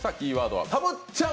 はたぶっちゃん